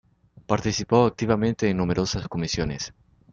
Participó activamente en numerosas comisiones.